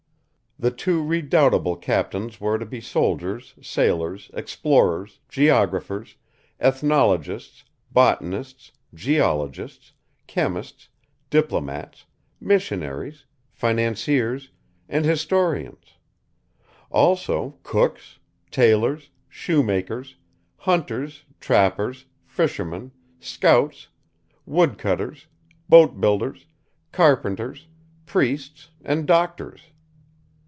The two redoubtable captains were to be soldiers, sailors, explorers, geographers, ethnologists, botanists, geologists, chemists, diplomats, missionaries, financiers, and historians; also cooks, tailors, shoemakers, hunters, trappers, fishermen, scouts, woodcutters, boatbuilders, carpenters, priests, and doctors.